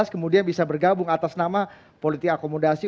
kemudian bisa bergabung atas nama politik akomodasi